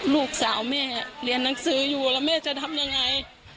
ลูกสาวแม่เรียนหนังสืออยู่แล้วแม่จะทำยังไง